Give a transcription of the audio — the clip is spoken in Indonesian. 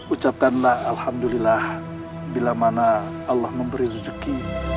ucapkanlah alhamdulillah bila mana allah memberi rezeki